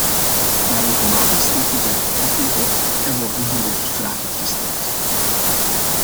Maar regelmatig steekt die draak de kop weer op en worden hierover vragen gesteld.